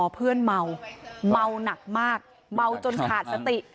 เพื่อนเมาเมาหนักมากเมาจนขาดสติ